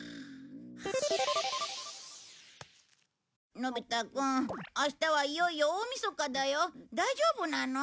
のび太くん明日はいよいよ大みそかだよ大丈夫なの？